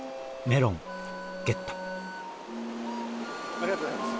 ありがとうございます。